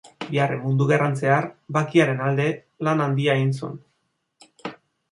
Bigarren Mundu Gerran zehar bakearen alde lan handia egin zuen.